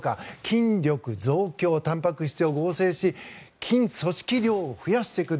筋力増強、たんぱく質を合成し筋組織量を増やしていく。